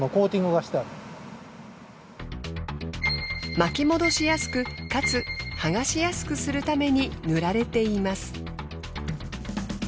巻き戻しやすくかつ剥がしやすくするために塗られています。